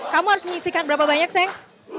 kamu harus mengisikan berapa banyak sayang